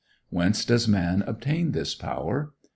Whence does man obtain this power?